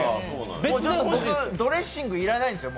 僕、ドレッシング要らないですよ。